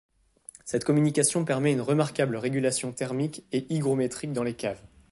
Cette communication permet une remarquable régulation thermique et hygrométrique dans les caves.